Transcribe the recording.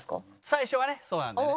最初はねそうなんだよね。